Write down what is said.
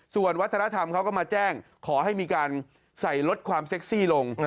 ส่วนวัฒนธรรมเขาก็มาแจ้งขอให้มีการใส่ลดความเซ็กซี่ลง